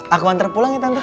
aku antar pulang ya tante